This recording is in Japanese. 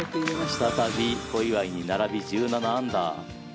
再び小祝に並び１７アンダー。